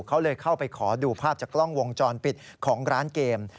เขาเลยเข้าไปขอดูภาพจากกล้องวงจรปิดของร้านเกม